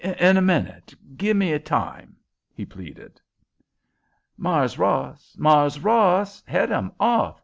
"In a minute. Give me time," he pleaded. "Mars' Ross—Mars' Ross! Head 'em off!"